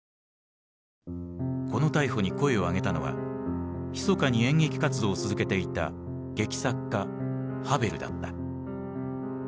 この逮捕に声を上げたのはひそかに演劇活動を続けていた劇作家ハヴェルだった。